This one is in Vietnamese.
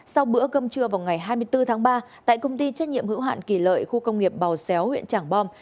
sau bữa cơm trưa vào ngày hai mươi bốn tháng ba tại công ty trách nhiệm hữu hạn kỳ lợi khu công nghiệp bào xéo huyện trảng bom